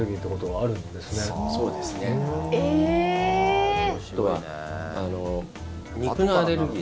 あとは肉のアレルギー。